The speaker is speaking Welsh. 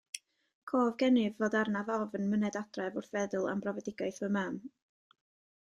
Cof gennyf fod arnaf ofn myned adref wrth feddwl am brofedigaeth fy mam.